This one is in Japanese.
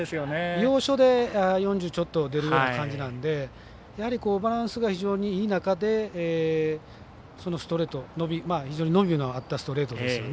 要所で４０ちょっと出るような感じなんで、やはりバランスが非常にいい中で非常に伸びのあったストレート。